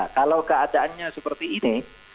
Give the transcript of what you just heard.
kalau keadaannya seperti ini